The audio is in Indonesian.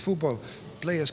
pemain datang pemain pergi